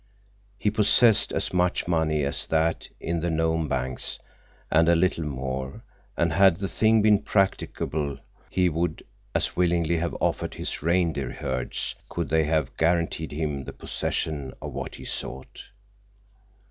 He possessed as much money as that in the Nome banks, and a little more, and had the thing been practicable he would as willingly have offered his reindeer herds could they have guaranteed him the possession of what he sought.